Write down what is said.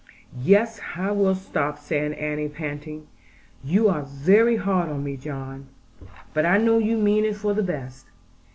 'Yes, I will stop,' said Annie, panting; 'you are very hard on me, John; but I know you mean it for the best.